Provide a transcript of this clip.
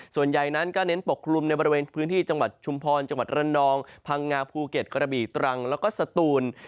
ส่วนใหญ่นั้นก็เน้นปกคลุมในบริเวณพื้นที่จังหวัดชุมพรจังหวัดระนองพังงาภูเก็ตกระบี่ตรังแล้วก็สตูน